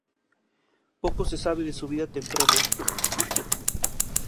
Poco se sabe de su vida temprana.